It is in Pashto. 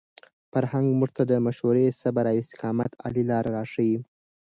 فرهنګ موږ ته د مشورې، صبر او استقامت عالي لارې راښيي.